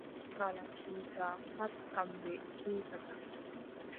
Kala kiita pat kamɓe kiitata.